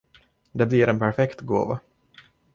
Det blir en perfekt gåva.